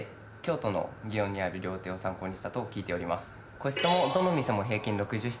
個室もどの店も平均６０室。